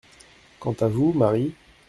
Quant à vous, Marie…